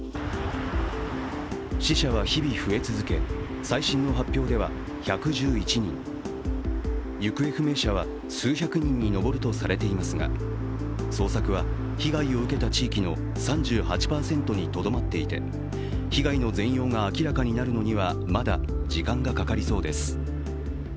死者は日々増え続け、最新の発表では１１１人、行方不明者は数百人に上るとされていますが捜索は被害を受けた地域の３８％にとどまっていて、被害の全容が明らかになるのにはまだ時間がかかりそうです。